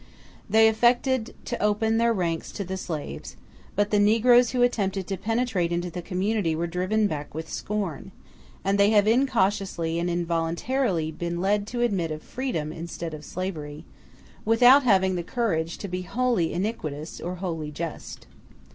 They affected to open their ranks to the slaves, but the negroes who attempted to penetrate into the community were driven back with scorn; and they have incautiously and involuntarily been led to admit of freedom instead of slavery, without having the courage to be wholly iniquitous, or wholly just.